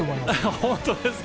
本当ですか。